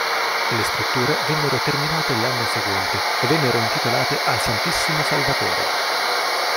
Le strutture vennero terminate l'anno seguente e vennero intitolate al Santissimo Salvatore.